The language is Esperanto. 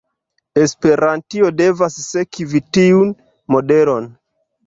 Esperantio devas sekvi tiun modelon.